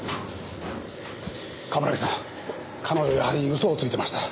冠城さん彼女やはり嘘をついてました。